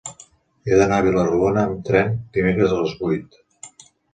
He d'anar a Vila-rodona amb tren dimecres a les vuit.